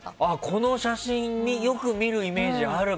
この写真よく見るイメージある。